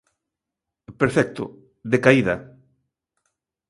Perfecto, decaída.